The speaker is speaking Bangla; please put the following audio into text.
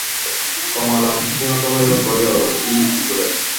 কমলা বিসিমত হইয়া কহিল, ইস্কুলে?